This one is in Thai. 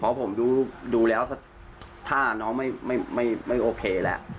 เพราะผมดูแล้วถ้าน้องไม่โอเคแหละ